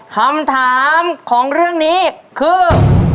คำถามของเรื่องนี้คือ